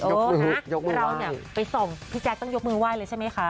โอ้โหยกมือว่ายเราเนี้ยไปส่งพี่แจ๊กต้องยกมือว่ายเลยใช่ไหมคะ